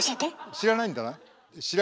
知らないんだな？